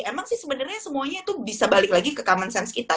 emang sih sebenarnya semuanya itu bisa balik lagi ke common sense kita